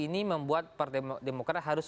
ini membuat partai demokrat harus